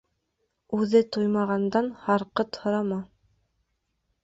Үҙе туймағандан һарҡыт һорама.